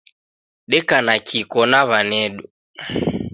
Deka na Kiko na wanedu